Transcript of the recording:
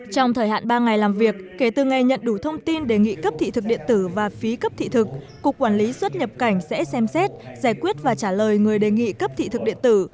trong thời hạn ba ngày làm việc kể từ ngày nhận đủ thông tin đề nghị cấp thị thực điện tử và phí cấp thị thực cục quản lý xuất nhập cảnh sẽ xem xét giải quyết và trả lời người đề nghị cấp thị thực điện tử